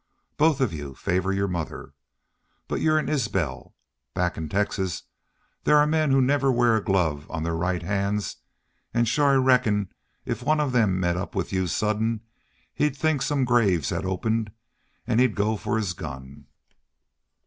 Both of you favor your mother. But you're an Isbel. Back in Texas there are men who never wear a glove on their right hands, an' shore I reckon if one of them met up with you sudden he'd think some graves had opened an' he'd go for his gun."